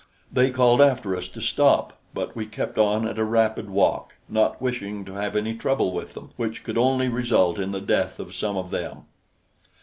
They called after us to stop; but we kept on at a rapid walk, not wishing to have any trouble with them, which could only result in the death of some of them.